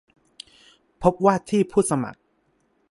พบว่าที่ผู้สมัคร